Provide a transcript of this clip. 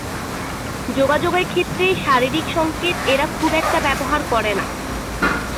যোগাযোগের ক্ষেত্রে শারিরীক সংকেত এরা খুব একটা ব্যবহার করে না।